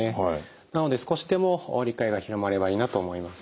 なので少しでも理解が広まればいいなと思います。